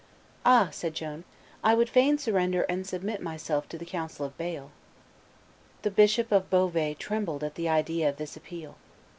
"Ah!" said Joan, "I would fain surrender and submit myself to the council of Bale." The Bishop of Beauvais trembled at the idea of this appeal.